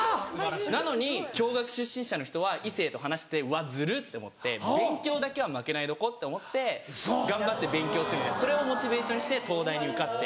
なのに共学出身者の人は異性と話しててうわズル！って思って勉強だけは負けないでおこうって思って頑張って勉強するみたいなそれをモチベーションにして東大に受かって。